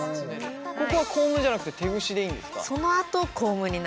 ここはコームじゃなくて手ぐしでいいんですか？